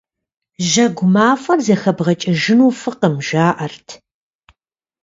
Жьэгу мафӀэр зэхэбгъэкӀыжыну фӀыкъым, жаӀэрт.